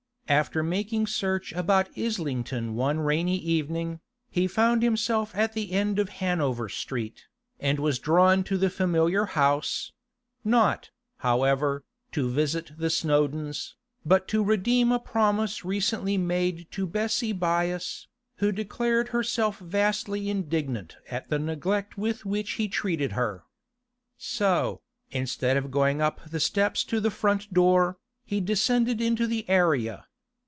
After making search about Islington one rainy evening, he found himself at the end of Hanover Street, and was drawn to the familiar house; not, however, to visit the Snowdons, but to redeem a promise recently made to Bessie Byass, who declared herself vastly indignant at the neglect with which he treated her. So, instead of going up the steps to the front door, he descended into the area.